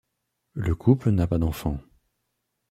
Le couple n’a pas d’enfants.